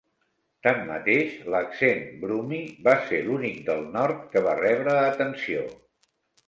Tanmateix, l'accent Brummie va ser l'únic del nord que va rebre atenció.